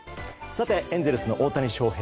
エンゼルスの大谷翔平。